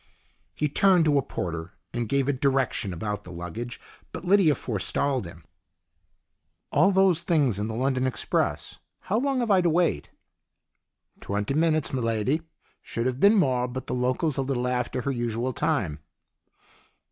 He turned to a porter to give a direction about the luggage, but Lydia forestalled him. " All those things in the London express. How long have I to wait?" 142 STORIES IN GREY "Twenty minutes, m'lady. Should have been more, but the local's a little after her usual time."